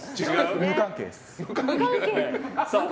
無関係です。